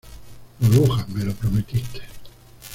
burbuja, me lo prometiste.